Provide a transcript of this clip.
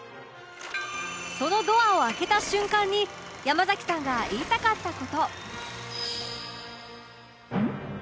そのドアを開けた瞬間に山崎さんが言いたかった事